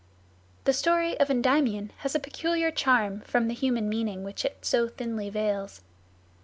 The story of Endymion has a peculiar charm from the human meaning which it so thinly veils.